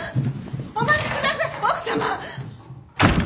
お待ちください奥様！